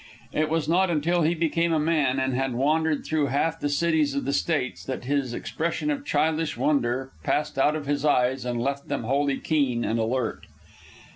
It was not until he became a man and had wandered through half the cities of the States that this expression of childish wonder passed out of his eyes and left them wholly keen and alert.